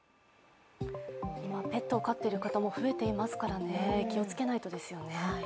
ペットを飼っている方も増えていますからね気をつけないとですね。